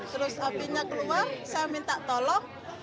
terus apinya keluar saya minta tolong